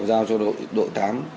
giao cho đội tám